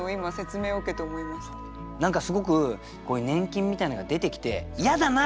何かすごくこういう粘菌みたいなのが出てきて「嫌だな！